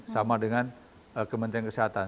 sama dengan kementerian kesehatan